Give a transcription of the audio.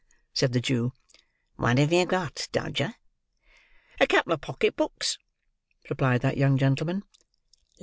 said the Jew. "What have you got, Dodger?" "A couple of pocket books," replied that young gentlman.